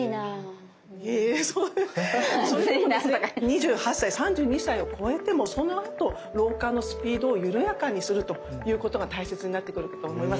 ２８歳３２歳を越えてもそのあと老化のスピードを緩やかにするということが大切になってくるかと思います。